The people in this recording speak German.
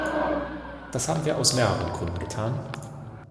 Das haben wir aus mehreren Gründen getan.